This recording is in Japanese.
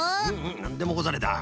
なんでもござれだ。